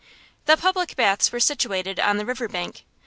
The public baths were situated on the river bank.